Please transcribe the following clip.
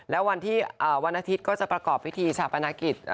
แล้ววันที่วันอาทิตย์ก็จะประกอบพิธีชาปนาคิต